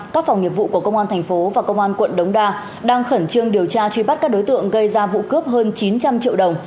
các phòng nghiệp vụ của công an thành phố và công an quận đống đa đang khẩn trương điều tra truy bắt các đối tượng gây ra vụ cướp hơn chín trăm linh triệu đồng